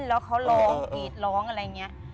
แล้วเขาร้องกรีดร้องอะไรอย่างนี้